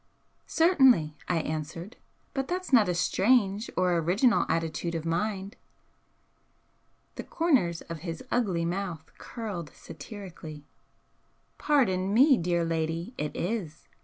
"Certainly," I answered "But that's not a 'strange' or original attitude of mind." The corners of his ugly mouth curled satirically. "Pardon me, dear lady, it is!